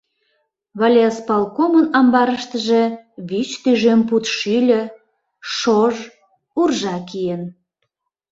Волисполкомын амбарыштыже вич тӱжем пуд шӱльӧ, шож, уржа киен.